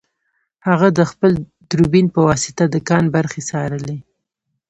هغه د خپل دوربین په واسطه د کان برخې څارلې